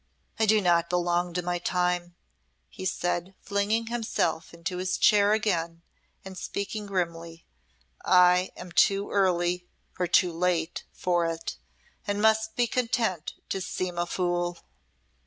"I do not belong to my time," he said, flinging himself into his chair again and speaking grimly. "I am too early or too late for it, and must be content to seem a fool."